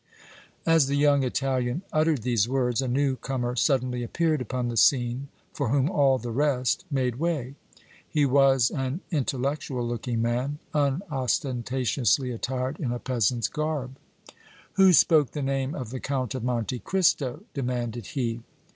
As the young Italian uttered these words, a new comer suddenly appeared upon the scene for whom all the rest made way. He was an intellectual looking man, unostentatiously attired in a peasant's garb. "Who spoke the name of the Count of Monte Cristo?" demanded he.